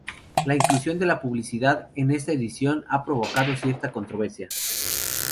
La inclusión de publicidad en esta edición ha provocado cierta controversia.